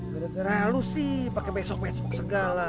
gara gara lu sih pakai besok besok segala